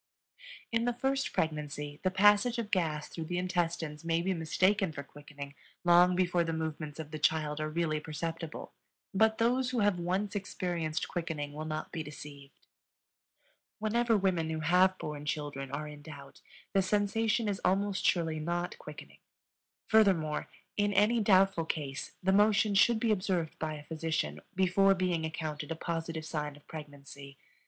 In the first pregnancy the passage of gas through the intestines may be mistaken for quickening long before the movements of the child are really perceptible; but those who have once experienced quickening will not be deceived. Whenever women who have borne children are in doubt the sensation is almost surely not quickening. Furthermore, in any doubtful case, the motion should be observed by a physician before being accounted a positive sign of pregnancy.